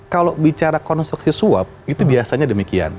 kalau bicara konstruksi suap itu biasanya demikian